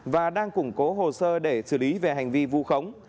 và đang củng cố hồ sơ để xử lý về hành vi vu khống